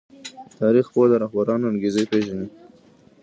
تاريخ پوه د رهبرانو انګېزې پېژني.